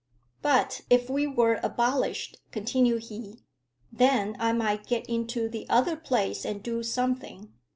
"But if we were abolished," continued he, "then I might get into the other place and do something.